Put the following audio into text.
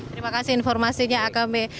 terima kasih informasinya akb